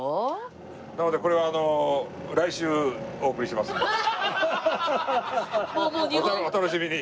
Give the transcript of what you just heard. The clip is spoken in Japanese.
なのでこれはお楽しみに。